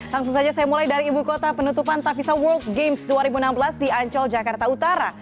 langsung saja saya mulai dari ibu kota penutupan tavisa world games dua ribu enam belas di ancol jakarta utara